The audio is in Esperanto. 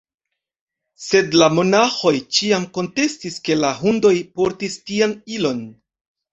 Sed la monaĥoj ĉiam kontestis, ke la hundoj portis tian ilon.